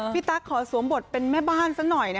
ตั๊กขอสวมบทเป็นแม่บ้านซะหน่อย